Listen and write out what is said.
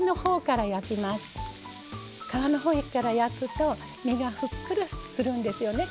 皮のほうから焼くと身がふっくらするんですよね。